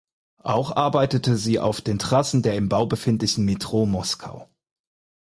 Auch arbeitete sie auf den Trassen der im Bau befindlichen Metro Moskau.